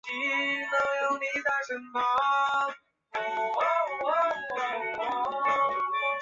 黄香草木樨是一种豆科植物。